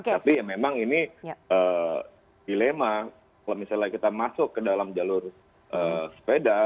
tapi ya memang ini dilema kalau misalnya kita masuk ke dalam jalur sepeda